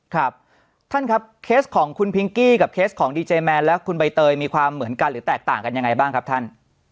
ครับท่านครับเคสของคุณพิงกี้กับเคสของดีเจแมนและคุณใบเตยมีความเหมือนกันหรือแตกต่างกันยังไงบ้างครับท่าน